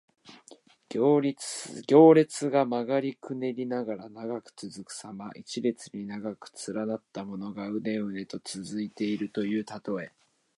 行列が曲がりくねりながら長く続くさま。一列に長く連なったものが、うねうねと続いているというたとえ。